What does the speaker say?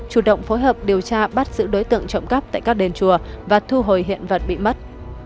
chủ động phối hợp điều tra bắt giữ đối tượng trộm cắp tại các đền chùa và thu hồi hiện vật bị mất